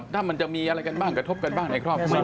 ถ้ามันจะมีอะไรกันบ้างกระทบกันบ้างในครอบครัว